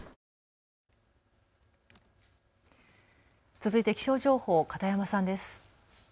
続いて気象情報、片山さんです。